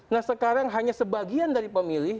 nah sekarang hanya sebagian dari pemilih